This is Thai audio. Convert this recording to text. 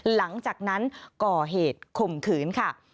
หลังจากนั้นก่อเหตุข่มขืนค่ะ